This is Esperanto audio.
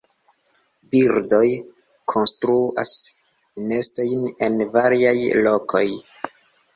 Birdoj konstruas nestojn en variaj lokoj.